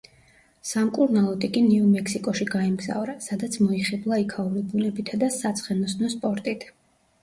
სამკურნალოდ იგი ნიუ-მექსიკოში გაემგზავრა, სადაც მოიხიბლა იქაური ბუნებითა და საცხენოსნო სპორტით.